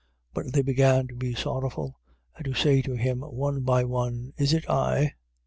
14:19. But they began to be sorrowful and to say to him, one by one: Is it I? 14:20.